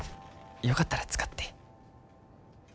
よかったら使って。